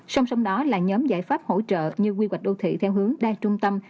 song song đó là nhóm giải pháp hỗ trợ như quy hoạch đô thị theo hướng đa trung tâm